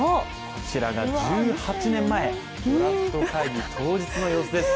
こちらが１８年前、ドラフト会議当日の様子です。